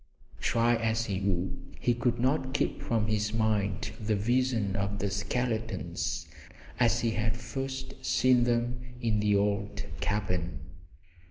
Try as he would he could not keep from his mind the vision of the skeletons as he had first seen them in the old cabin.